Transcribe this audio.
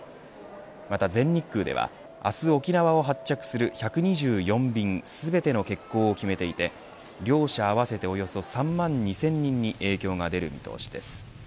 また全日空では明日沖縄を発着する１２４便全ての欠航を決めていて両社合わせておよそ３万２０００人に影響が出る見通しです。